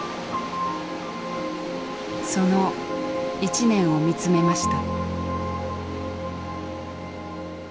その１年を見つめました。